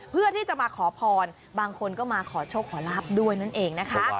เพื่อที่จะมาขอพรบางคนก็มาขอโชคขอลาบด้วยนั่นเองนะคะ